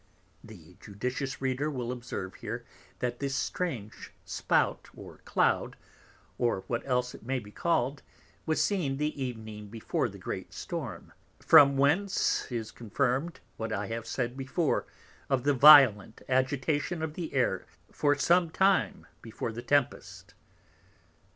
The judicious Reader will observe here, that this strange Spout, or Cloud, or what else it may be call'd, was seen the Evening before the great Storm: from whence is confirm'd what I have said before of the violent Agitation of the Air for some time before the Tempest.